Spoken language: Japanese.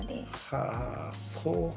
はあそうか。